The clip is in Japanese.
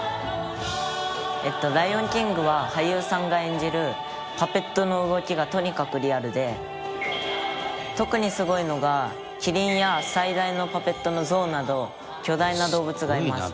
「『ライオンキング』は俳優さんが演じるパペットの動きがとにかくリアルで特にすごいのがキリンや最大のパペットのゾウなど巨大な動物がいます」